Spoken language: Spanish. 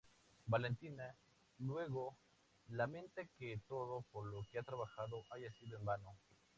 Valentina luego lamenta que todo por lo que ha trabajado haya sido en vano.